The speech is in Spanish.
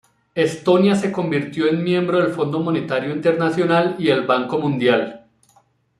Estonia se convirtió en miembro del Fondo Monetario Internacional y el Banco Mundial.